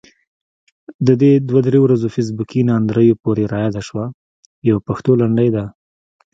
د دې دوه درې ورځو فیسبوکي ناندريو پورې رایاده شوه، يوه پښتو لنډۍ ده: